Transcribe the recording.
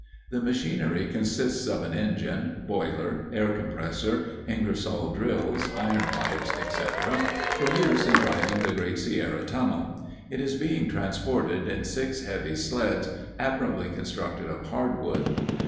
The machinery consists of an engine, boiler, air compressor, Ingersoll drills, iron pipe, etc., for use in driving the Great Sierra tunnel. It is being transported on six heavy sleds admirably constructed of hardwood.